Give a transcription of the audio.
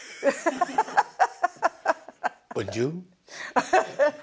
アハハハ。